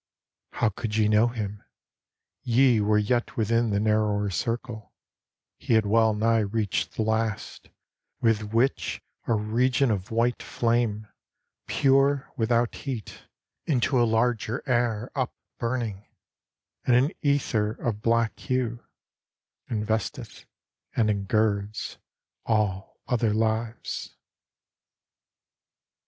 How could ye know him? Ye were yet within The narrower circle; he had well nigh reached The last, with which a region of white flame, Pure without heat, into a larger air Upburning, and an ether of black hue, Investeth and ingirds all other lives.